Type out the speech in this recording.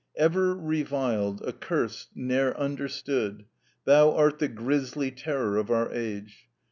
Ever reviled, accursed, ne'er understood, Thou art the grisly terror of our age.